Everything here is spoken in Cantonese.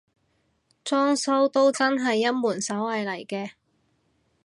裝修都真係一門手藝嚟嘅